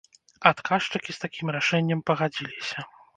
Адказчыкі з такім рашэннем пагадзіліся.